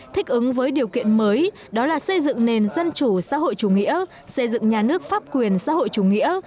thích ứng với điều kiện mới đó là xây dựng nền dân chủ xã hội chủ nghĩa xây dựng nhà nước pháp quyền xã hội chủ nghĩa